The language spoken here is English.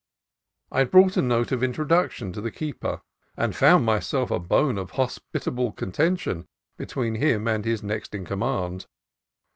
I had brought a note of introduction to the keeper, and found myself a bone of hospitable contention between him and his next in command.